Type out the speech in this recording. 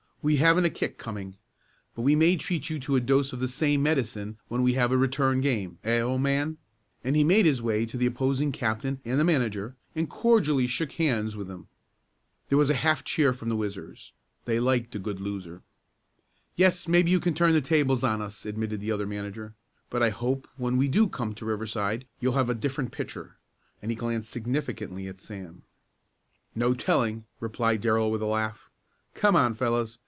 We haven't a kick coming, but we may treat you to a dose of the same medicine when we have a return game; eh, old man?" and he made his way to the opposing captain and the manager and cordially shook hands with them. There was a half cheer from the Whizzers. They liked a good loser. "Yes, maybe you can turn the tables on us," admitted the other manager, "but I hope when we do come to Riverside you'll have a different pitcher," and he glanced significantly at Sam. "No telling," replied Darrell with a laugh. "Come on, fellows.